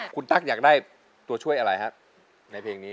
คุณตั๊กอยากได้ตัวช่วยอะไรฮะในเพลงนี้